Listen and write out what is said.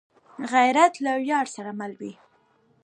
غیرت له ویاړ سره مل وي